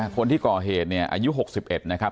คนที่ก่อเหตุอายุ๖๑นะครับ